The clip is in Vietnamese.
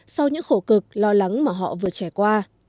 sau những khổ cực lo lắng mà họ vừa trải qua